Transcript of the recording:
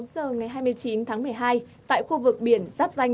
bốn h ngày hai mươi chín tháng một mươi hai tại khu vực biển giáp danh